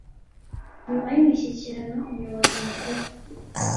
Nyuma y imishyikirano Umuyobozi Mukuru